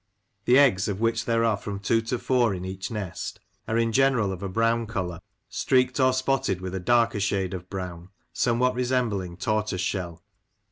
The eggs, of which there are from two to four in each nest, are in general of a brown colour, streaked or spotted with a darker shade of brown, somewhat resembling tortoise shell.